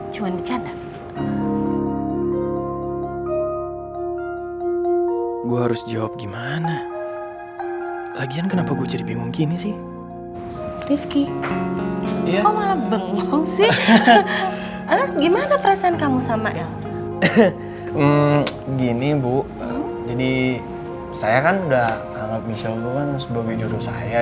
jadi saya kan udah anggap michelle gue kan sebagai juru saya